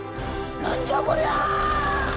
何じゃこりゃ！？